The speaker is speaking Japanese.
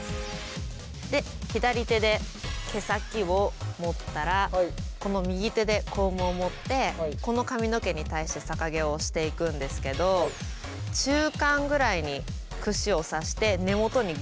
で左手で毛先を持ったらこの右手でコームを持ってこの髪の毛に対して逆毛をしていくんですけど中間ぐらいにくしを挿して根元にグッと。